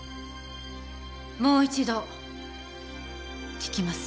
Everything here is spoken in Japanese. もう一度聞きます。